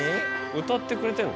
歌ってくれてるの？